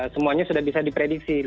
semuanya sudah bisa diprediksi